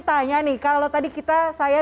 tanya nih kalau tadi kita saya